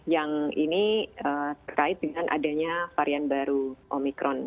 yang ini terkait dengan adanya varian baru omikron